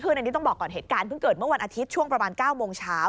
คือในที่ต้องบอกก่อนเหตุการณ์เมื่อวันอาทิตย์ช่วงประมาณ๙โมงเช้า